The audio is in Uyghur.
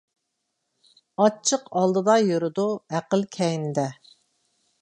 ئاچچىق ئالدىدا يۈرىدۇ، ئەقىل كەينىدە.